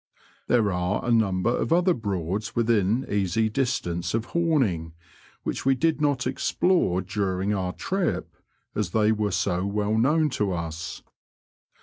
There are a number of other Broads within easy distance of Homing, which we did not explore during our trip, as they were so well known to us.